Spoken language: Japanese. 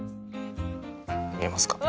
見えますか。